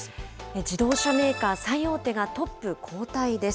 自動車メーカー最大手がトップ交代です。